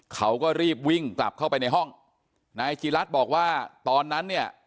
เขาก็รีบวิ่งกลับเข้าไปในห้องนายจีรัฐบอกว่าตอนนั้นเนี่ย